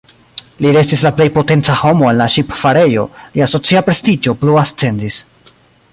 Li restis la plej potenca homo en la ŝipfarejo, lia socia prestiĝo plu ascendis.